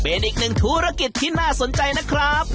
เป็นอีกหนึ่งธุรกิจที่น่าสนใจนะครับ